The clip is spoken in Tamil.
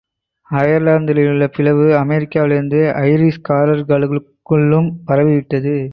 அயர்லாந்திலுள்ள பிளவு அமெரிக்காவிலிருந்த ஐரிஷ் காரர்களுக்குள்ளும் பரவிவிட்டது.